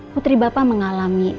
putri bapak mengalami